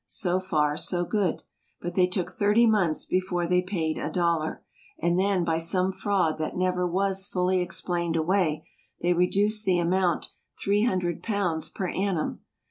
So far so good; but they took thirty months before they paid a dollar, and then by some fraud that never was fully explained away, they reduced the amount £300 per annum.